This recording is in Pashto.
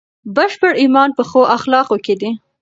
بشپړ ایمان په ښو اخلاقو کې دی.